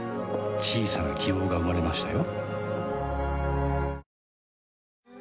小さな希望が生まれましたよ